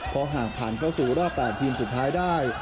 เพราะหากผ่านเข้าสู่รอบ๘ทีมสุดท้ายได้